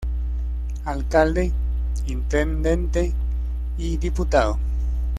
Alcalde, intendente y diputado.